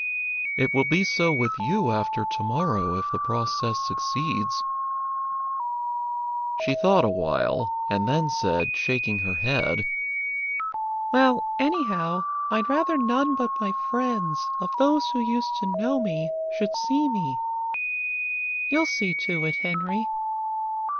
It will be so with you after to morrow if the process succeeds." She thought a while, and then said, shaking her head "Well, anyhow, I'd rather none but my friends, of those who used to know me, should see me. You'll see to it, Henry.